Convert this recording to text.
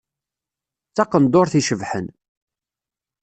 D taqenduṛt icebḥen.